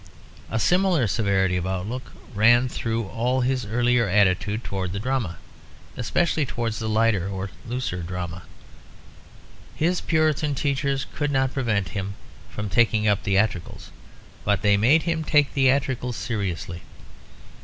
A similar severity of outlook ran through all his earlier attitude towards the drama; especially towards the lighter or looser drama. His Puritan teachers could not prevent him from taking up theatricals, but they made him take theatricals seriously.